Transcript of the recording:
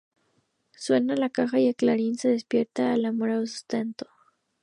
Suena la caja y el clarín y se despierta el Amor asustado.